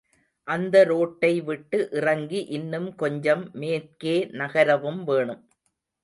அந்த ரோட்டை விட்டு இறங்கி இன்னும் கொஞ்சம் மேற்கே நகரவும் வேணும்.